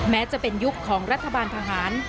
แม้จะเป็นยุคของรัฐบาลทหาร